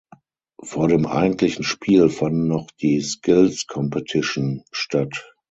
Vor dem eigentlichen Spiel fanden noch die Skills Competition statt.